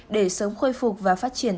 để sớm khôi phục và phát triển